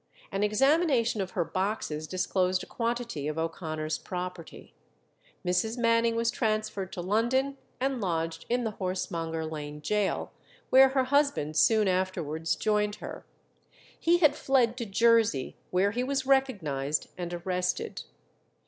An examination of her boxes disclosed a quantity of O'Connor's property. Mrs. Manning was transferred to London and lodged in the Horsemonger Lane Gaol, where her husband soon afterwards joined her. He had fled to Jersey, where he was recognized and arrested.